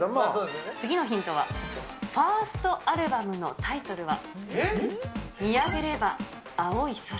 次のヒントは、ファーストアルバムのタイトルは、見上げれば、青い空。